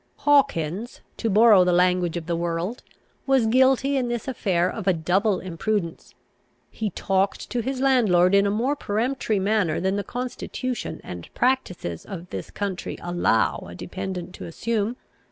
Hawkins (to borrow the language of the world) was guilty in this affair of a double imprudence. He talked to his landlord in a more peremptory manner than the constitution and practices of this country allow a dependent to assume.